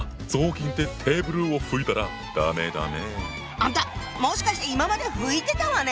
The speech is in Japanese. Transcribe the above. あんたもしかして今まで拭いてたわね